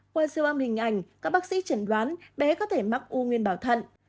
qua siêu âm hình ảnh các bác sĩ chẳng đoán bé có thể mắc u nguyên bào thận